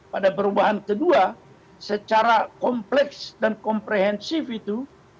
pada perubahan kedua secara kompleks dan komprehensif itu